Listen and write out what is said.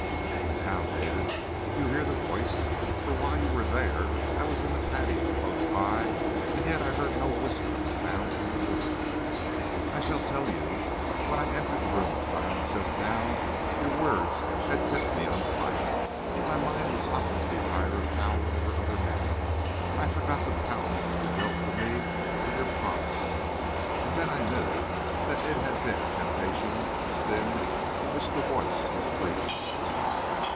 "And how, David, do you hear the voice? For while you were there I was in the patio, close by, and yet I heard no whisper of a sound from the room." "I shall tell you. When I entered the Room of Silence just now your words had set me on fire. My mind was hot with desire of power over other men. I forgot the palace you built for me with your promises. And then I knew that it had been a temptation to sin from which the voice was freeing me.